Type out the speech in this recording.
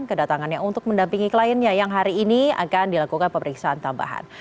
kedatangannya untuk mendampingi kliennya yang hari ini akan dilakukan pemeriksaan tambahan